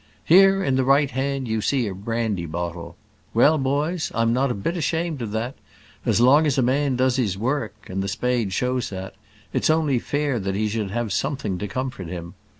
Here, in the right hand you see a brandy bottle. Well, boys, I'm not a bit ashamed of that; as long as a man does his work and the spade shows that it's only fair he should have something to comfort him.